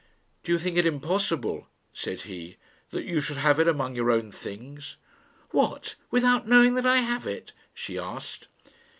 "Do you think it impossible," said he, "that you should have it among your own things?" "What! without knowing that I have it?" she asked.